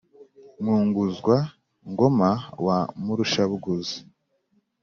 mwunguzwa –ngoma wa murusha-bunguzi